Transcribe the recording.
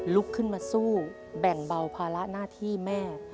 ลุกขึ้นมาสู้แบ่งเบาภาระหน้าที่แม่